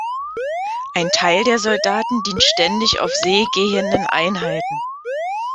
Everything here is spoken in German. Ein Teil der Soldaten dient ständig auf seegehenden Einheiten.